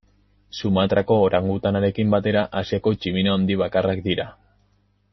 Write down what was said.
Sumatrako orangutanarekin batera Asiako tximino handi bakarrak dira.